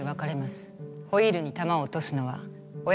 ホイールに玉を落とすのは親の役目です。